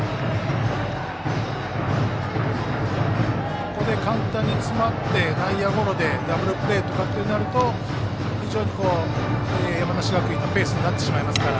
ここで簡単に詰まって内野ゴロでダブルプレーとかなると非常に山梨学院のペースになってしまいますから。